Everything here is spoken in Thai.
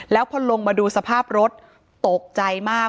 แล้วพอลงมาดูสภาพรถตกใจมาก